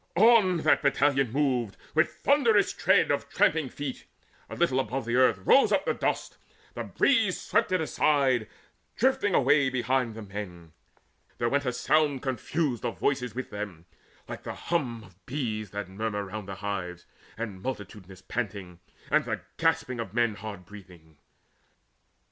On that battalion moved, with thunderous tread Of tramping feet: a little above the earth Rose up the dust; the breeze swept it aside Drifting away behind the men. There went A sound confused of voices with them, like The hum of bees that murmur round the hives, And multitudinous panting, and the gasp Of men hard breathing.